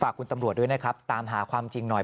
คุณตำรวจด้วยนะครับตามหาความจริงหน่อย